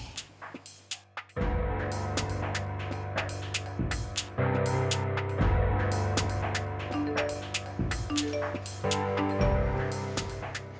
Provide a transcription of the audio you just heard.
tidak kang abah